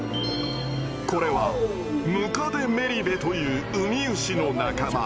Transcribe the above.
これはムカデメリベというウミウシの仲間。